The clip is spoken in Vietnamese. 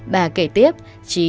bà kể tiếp trí